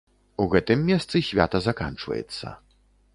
У гэтым месцы свята заканчваецца.